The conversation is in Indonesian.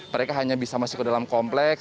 mereka hanya bisa masuk ke dalam kompleks